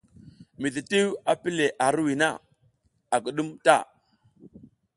Mititiw a pi le ar hiriwiy na, a guɗum ta.